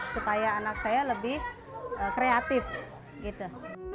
supaya anak saya lebih kreatif gitu